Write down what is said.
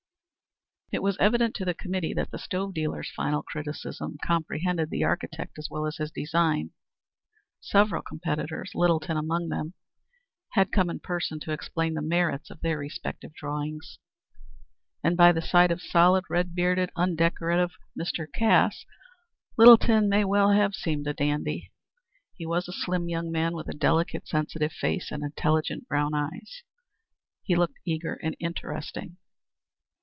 It was evident to the committee that the stove dealer's final criticism comprehended the architect as well as his design. Several competitors Littleton among them had come in person to explain the merits of their respective drawings, and by the side of solid, red bearded, undecorative Mr. Cass, Littleton may well have seemed a dandy. He was a slim young man with a delicate, sensitive face and intelligent brown eyes. He looked eager and interesting.